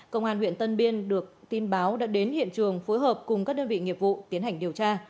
công an huyện tân biên được tin báo đã đến hiện trường phối hợp cùng các đơn vị nghiệp vụ tiến hành điều tra